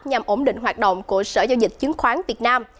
nhằm ổn định hoạt động của sở giao dịch chứng khoán việt nam